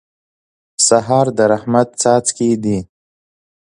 سهار د رحمت څاڅکي دي.